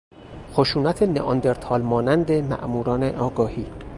خشونت نئاندرتال مانند ماموران آگاهی